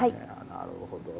なるほどね。